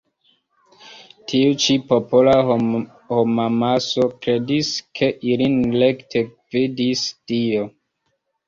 Tiu ĉi popola homamaso kredis ke ilin rekte gvidis Dio.